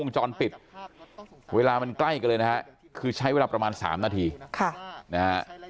จรปิดเวลามันใกล้กันเลยนะฮะคือใช้เวลาประมาณ๓นาทีค่ะนะฮะ